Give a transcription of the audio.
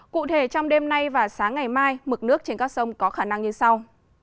cụ thể trong đêm nay và sáng ngày mai mực nước trên các sông có khả năng như sau